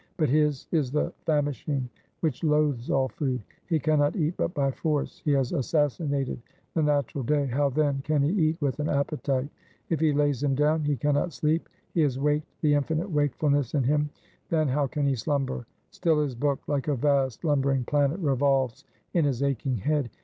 But his is the famishing which loathes all food. He can not eat but by force. He has assassinated the natural day; how then can he eat with an appetite? If he lays him down, he can not sleep; he has waked the infinite wakefulness in him; then how can he slumber? Still his book, like a vast lumbering planet, revolves in his aching head.